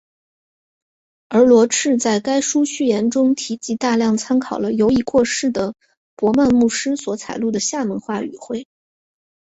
而罗啻在该书序言中提及大量参考了由已过世的博曼牧师所采录的厦门话语汇。